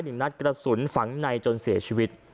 หนึ่งนัดกระสุนฝังในจนเสียชีวิต